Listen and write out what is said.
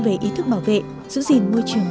về ý thức bảo vệ giữ gìn môi trường